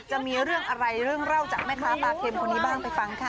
จะมีเรื่องอะไรเรื่องเล่าจากแม่ค้าปลาเค็มคนนี้บ้างไปฟังค่ะ